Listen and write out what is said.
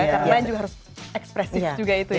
karena juga harus ekspresif juga itu ya